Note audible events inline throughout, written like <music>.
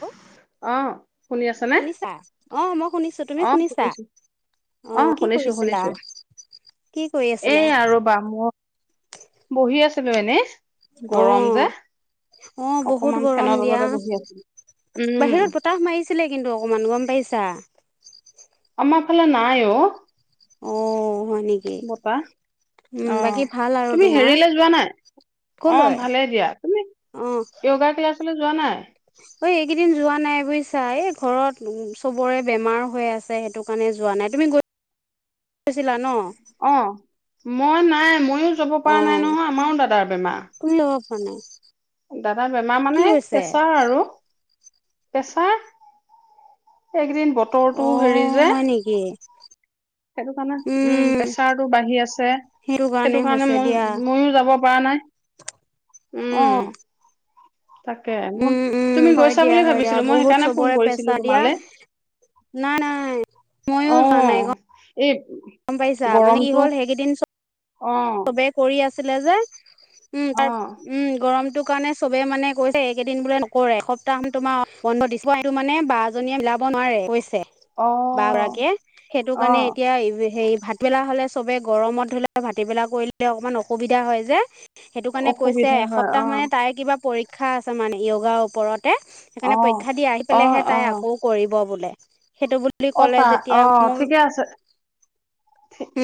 Hello অঁ শুনি আছ নে? শুনিছা? অঁ মই শুনিছো, তুমি আহ শুনিছা? শুনিছো, অঁ আহ কি শুনিছো কৰিছিলা? শুনিছো। কি কৰি এ আছিলা? আৰু বা মই বহি আছিলো এনে। গৰম অঁ যে। অঁ বহুত অকমান গৰম ফেনৰ দিয়া। তলতে বহি আছিলো উম বাহিৰত বতাহ মাৰিছিলে কিন্তু অকণমান গম পাইছা? আমাৰ ফালে নাই অঁ। অঁ হয় নেকি? বপাহ, উম বাকী অঁ ভাল আৰু তুমি তোমাৰ? হেৰিলৈ যোৱা নাই? অঁ কলৈ? ভালেই দিয়া, তুমি অঁ য়গা ক্লাছলৈ যোৱা নাই? ঐ এইকেইদিন যোৱা নাই বুজিচা, এই ঘৰত চবৰে বেমাৰ হৈ আছে সেইটো কাৰণে যোৱা নাই? তুম তুমি গৈছিলা ন? অঁ, মই নাই ময়ো যাব পৰা নাই নহয় আমাৰো দাদাৰ বেমাৰ। হয় নাই? দাদা বেমাৰ কি মানে হৈছে? পেছাৰ আৰু। পেচাৰ, এদিন বতৰটো হেৰি অঁ যে হয় নেকি? সেইটো কাৰণে উম, প্ৰেচাৰতটো বাঢ়ি আছে। সেইটো কাৰণে মই ময়ো যাব পৰা নাই। উম অ', তাকে মই উম উম তুমি হয় গৈছা দিয়া বুলি হয় দিয়া ভাবিছিলো মই বহুত সেইকাৰণে ফোন চবৰে কৰিছিলো পেচা দিয়া। তোমালে নাই নাই। মইয়ো অ যোৱা নাই ক। এই গম পাইছা মানে ই গৰমটো হ'ল সেইকেইদিন চ। অ চবে কৰি আছিলে যে উম অ তাৰ উম গৰমটো। কাৰণে চবে মানে কৈছে। এই কেইদিন বোলে। নকৰৰে এসপ্তাহ তোমাৰ বন্ধ দি এইটো মানে বাৰজনী। নৈ অ বা গৰাকীয়ে সেইটো অ কাৰণে এতিয়া হে। ভাতবেলা হ'লে চবেই গৰমত ধৰি লওক ভাটবেলা কৰিলে অকণমান অসুবিধা হয় যে। সেইটো কাৰণে কৈছে অসুবিধা হয় অ এসপ্তাহ মানে তাই কিবা পৰীক্ষা আছে মানে য়োগাৰ ওপৰত। অ সেইকাৰণে পৰীক্ষা দি আহি অ পেলাইহে অ তাই আকৌ কৰিব বোলে। সেইটো বুলি অ' ক'লে তা যেতিয়া অ' মোৰ ঠিকে আছে।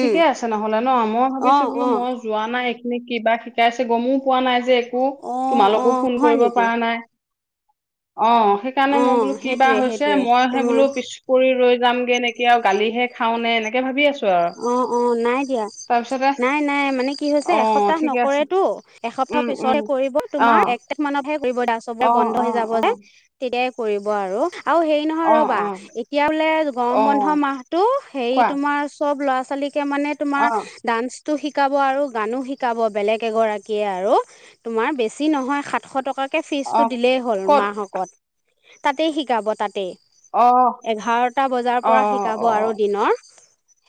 উম আছে নহলে ন মই অ ভাবিছো বোলো অ মই যোৱা নাই। প কিবা শিকাইছে গমো পোৱা নাই যে একো অ অ তোমালোকো ফোন হয় কৰিব নেকি পৰা নাই। অ, সেইকাৰণে অ মই বোলো কি বা সেইটোৱে হৈছে সেইটোৱে মইহে তোমাৰ বোলো পিছ পৰিৰি ৰৈ। যামগে নেকে আৰু গালিহে খও নে এনেকে ভাবি আছো। আৰু অ- অ নাই দিয়া। তাৰপিছতে নাই নাই মানে কি হৈছে? অ', এসপ্তাহ ঠিকে আছে নকৰেতটো এসপ্তাহ উম, পিছত উম। কৰিব তোমাৰ। অ', প্ৰত্যেক মানতহে কৰিব দা সবে অ', বন্ধ হৈ অ', যাব যে অ', তেতিয়াই কৰিব আৰু। আৰু হেৰি নহয় অ', ৰ'বা অ', এতিয়া বোলে গৰম বন্ধ অ', মাহটো হেইৰি কোৱা তোমাৰ। চব লৰা ছোৱালীকে মানে তোমাৰ অ', দান। শিকাব আৰু গানো শিকাব। বেলেগ এগৰাকী আৰু তোমাৰ সাত শ টকা কৈ। তাকে ফিজ অ', টো দিলেই হ'ল ক'ত মাহকত তাতেই শিকাব তাতেই। অ', এঘাৰটা বজাৰ পৰা অ', শিকাব অ', আৰু দিনৰ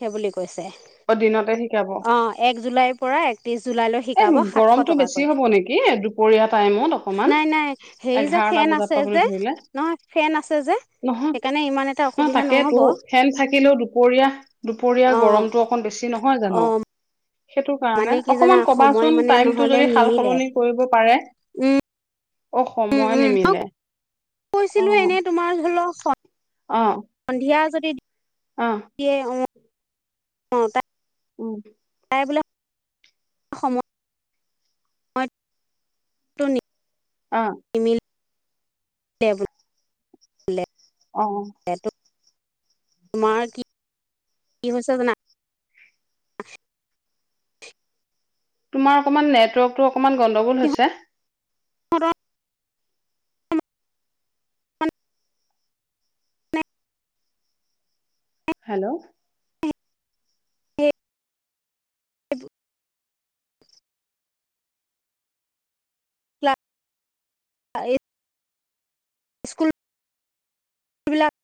সেইব কয়। অ', দিনতে শিকাব অ' এক জুলাইৰ পৰা একত্ৰিশ। জুলাইলৈ এ শিকাব সাতশ গৰমটো বেছি টকাকৈ হ'ব নেকি দুপৰীয়া টাইমত অকমান নাই নাই হে যে। এঘাৰটা ফেন বজাৰ আছে পৰা বুলি যে ধৰিলে নহয় ফেন আছে যে। নহয় সেইকাৰণে ইমান এটা নহ অসুবিধা তাকেই তো নহ'ব ফেন থাকিলেও দুপৰীয়া। দুপৰীয়া অ গৰমটো অকণ বেছি নহয় অ জানো সেইটো কাৰণে মানে কি জানা অকণমান। সময় ক'বাচোন মানে টাইমটো নহ'লে যদি সাল নিমিলে সলনি কৰিব পাৰে। উম অ, উম সময় উম মই নিমিলে। অ কৈছিলো এনে তোমাৰ ধৰিলকখন। অ সন্ধিয়া যদি। অ এতিয়া অ'। অ, তাই। উম। তাই বোলে। সময়। হয়। তুনি। অ'। ব <unintelligible> অ'। তোমাৰ কি - কি হৈছে ন। তোমাৰ অকমান নেটৱৰ্কটো। অকমান গণ্ডগোল হৈছে। হয় থৌ। মানে হেল্ল', এই। এই। স্কুল বিলাক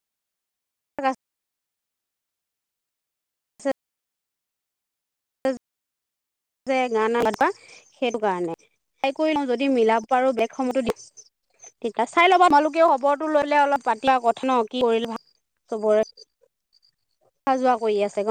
ক্লাছ। <inaudible> যে গানা লগোৱা সেইটো কাৰণে। সেই কৰি লওঁ যদি মিলাব আৰু বেগ সময়তো দিম। তেতিয়া চাই ল'ব তোমালোকেও খবৰটো ললে অলপ পাতলা কথা ন কি কৰিলে ভাল। চবৰে অহা যোৱা কৰি আছে গম